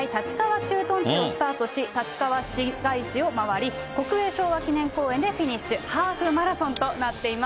コースは陸上自衛隊立川駐屯地をスタートし、立川市街地をまわり、国営昭和記念公園でフィニッシュ、ハーフマラソンとなっています。